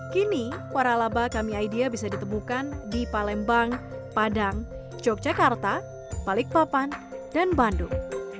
kini waralaba kami idea bisa ditemukan di palembang padang yogyakarta balikpapan dan bandung